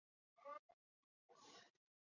结果反被御史刘其年参劾结党。